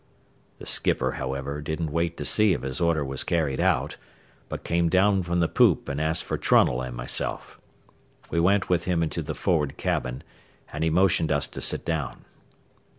The skipper, however, didn't wait to see if his order was carried out, but came down from the poop and asked for Trunnell and myself. We went with him into the forward cabin, and he motioned us to sit down.